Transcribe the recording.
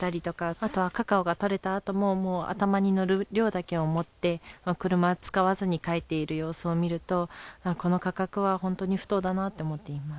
あとはカカオが取れたあとも頭にのる量だけを持って車を使わずに帰っている様子を見るとこの価格は本当に不当だなって思っています。